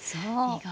意外。